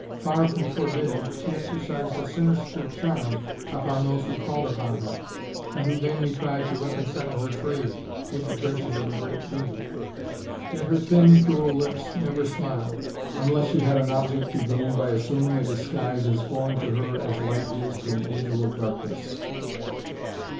Far from forbidding, she exercised a sinister charm upon those who called upon her, and who vainly tried to reconcile her trade with the traces of a great beauty. Yet her thin, cruel lips never smiled, unless she had an object to gain by assuming a disguise as foreign to her as light is to an angel of darkness.